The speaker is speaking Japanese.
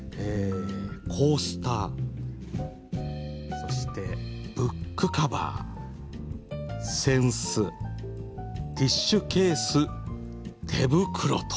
コースターそしてブックカバー扇子ティッシュケース手袋と。